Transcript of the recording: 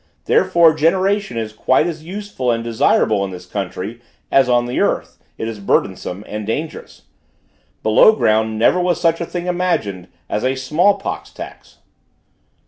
Therefore generation is quite as useful and desirable in this country as on the earth it is burthensome and dangerous: below ground never was such a thing imagined as a small pox tax.